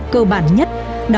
cơ bản nhất